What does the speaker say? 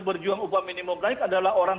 berjuang upah minimum baik adalah orang